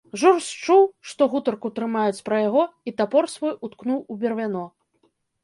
Жур счуў, што гутарку трымаюць пра яго, і тапор свой уткнуў у бервяно.